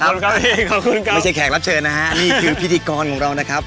เอาละครับขอบคุณครับไม่ใช่แขกรับเชิญนะฮะนี่คือพิธีกรของเรานะครับ